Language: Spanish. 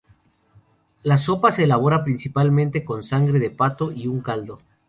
La sopa se elabora principalmente con sangre de pato y un caldo.